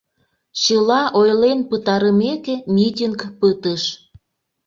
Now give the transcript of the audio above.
Чыла ойлен пытарымеке, митинг пытыш.